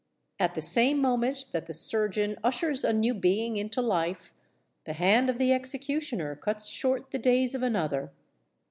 At the same moment that the surgeon ushers a new being into life, the hand of the executioner cuts short the days of another.